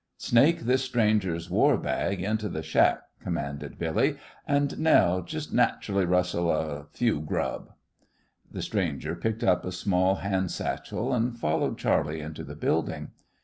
"Snake this stranger's war bag into th' shack," commanded Billy, "and, Nell, jest nat'rally rustle a few grub." The stranger picked up a small hand satchel and followed Charley into the building.